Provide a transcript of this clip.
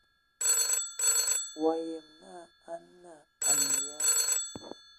Wa yəm na nana a nə ya?